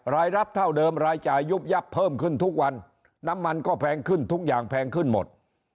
รายรับเท่าเดิมรายจ่ายยุบยับเพิ่มขึ้นทุกวันน้ำมันก็แพงขึ้นทุกอย่างแพงขึ้นหมด